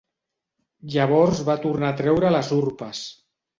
Llavors va tornar a treure les urpes.